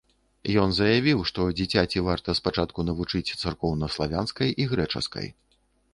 Ён заявіў, што дзіцяці варта спачатку навучыць царкоўнаславянскай і грэчаскай.